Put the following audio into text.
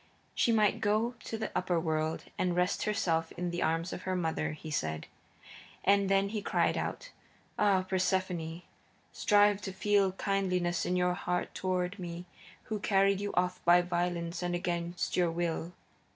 She might go to the Upperworld and rest herself in the arms of her mother, he said. And then he cried out: "Ah, Persephone, strive to feel kindliness in your heart toward me who carried you off by violence and against your will.